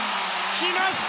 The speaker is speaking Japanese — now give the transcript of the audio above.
来ました